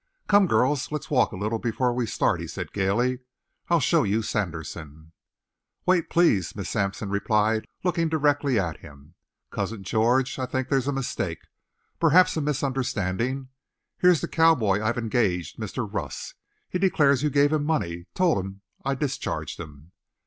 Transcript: "Come girls, let's walk a little before we start," he said gaily. "I'll show you Sanderson." "Wait, please," Miss Sampson replied, looking directly at him. "Cousin George, I think there's a mistake perhaps a misunderstanding. Here's the cowboy I've engaged Mr. Russ. He declares you gave him money told him I discharged him."